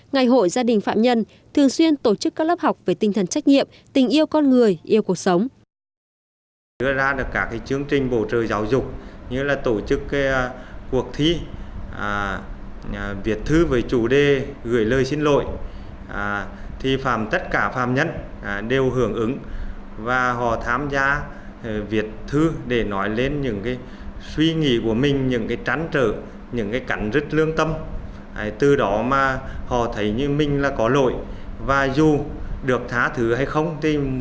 ngày hội gia đình phạm nhân thường xuyên tổ chức các lớp học về tinh thần trách nhiệm tình yêu con người yêu cuộc sống